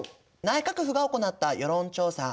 内閣府が行った世論調査。